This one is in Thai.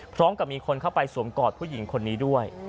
พร้อมกับมีคนเข้าไปสวมกอดผู้หญิงคนนี้ด้วย